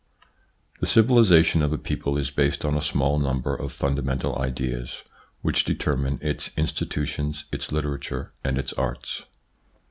f^HE civilisation of a people is based on a small * number of fundamental ideas, which determine its institutions, its literature and its arts.